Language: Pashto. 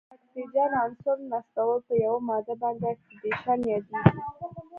د اکسیجن عنصر نصبول په یوه ماده باندې اکسیدیشن یادیږي.